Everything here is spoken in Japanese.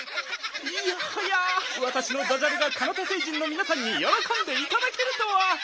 いやはやわたしのダジャレがカナタ星人のみなさんによろこんでいただけるとは！